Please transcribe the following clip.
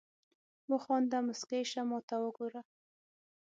وخانده مسکی شه ماته وګوره